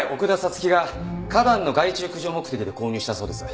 月が花壇の害虫駆除目的で購入したそうです。